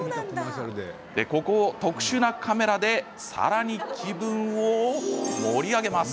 特殊なカメラでさらに気分を盛り上げます。